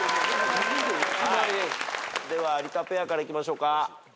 では有田ペアからいきましょうか。